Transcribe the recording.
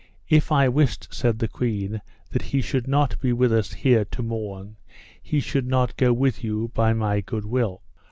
If I wist, said the queen, that he should not be with us here to morn he should not go with you by my good will.